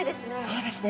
そうですね。